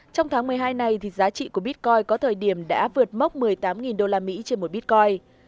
trong tháng một mươi hai này giá trị của bitcoin có thời điểm đã vượt mốc một mươi tám usd trên một bitcoin